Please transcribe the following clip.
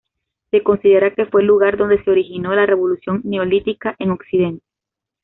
Se considera que fue el lugar donde se originó la revolución neolítica en Occidente.